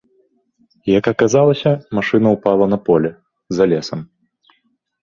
Як аказалася, машына ўпала на поле, за лесам.